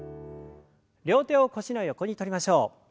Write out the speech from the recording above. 両手を腰の横にとりましょう。